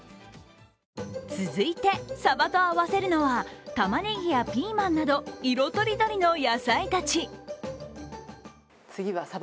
続いて、サバと合わせるのはたまねぎやピーマンなど、色とりどりの野菜たち。